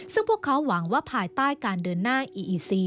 ซึ่งพวกเขาหวังว่าภายใต้การเดินหน้าอีอีซี